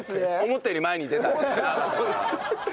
思ったより前に出たね。